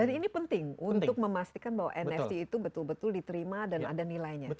jadi ini penting untuk memastikan bahwa nft itu betul betul diterima dan ada nilainya